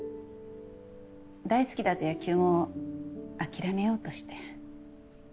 大好きだった野球も諦めようとして。